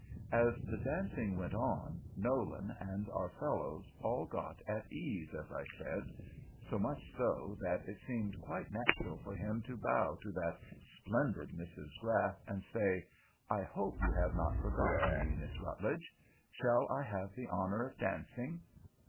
As the dancing went on, Nolan and our fellows all got at ease, as I said, so much so, that it seemed quite natural for him to bow to that splendid Mrs. Graff, and say, "I hope you have not forgotten me, Miss Rutledge. Shall I have the honor of dancing?"